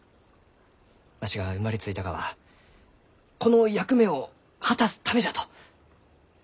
わしが生まれついたがはこの役目を果たすためじゃと。